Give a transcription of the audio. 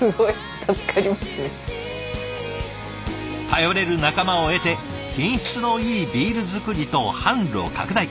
頼れる仲間を得て品質のいいビール造りと販路拡大。